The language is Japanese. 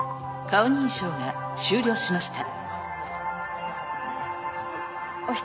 顔認証が終了しました。